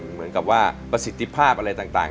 เหมือนกับว่าประสิทธิภาพอะไรต่าง